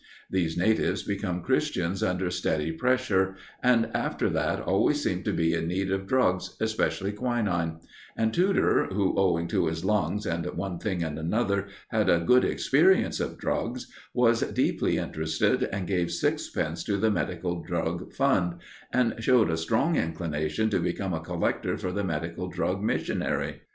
These natives become Christians under steady pressure, and after that always seem to be in need of drugs, especially quinine; and Tudor, who, owing to his lungs and one thing and another, had a good experience of drugs, was deeply interested, and gave sixpence to the Medical Drug Fund, and showed a strong inclination to become a collector for the Medical Drug Missionary.